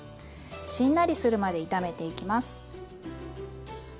しんなりするまで炒めていきます。